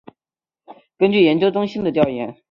根据研究中心的调研